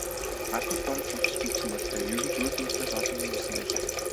Ардууд бараг цугларч гүйцсэн бололтой, ер нь ч урьд урьдаас олон хүн ирсэн байлаа.